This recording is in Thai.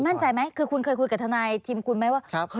มั่นใจไหมคือคุณเคยคุยกับทนายทีมคุณไหมว่า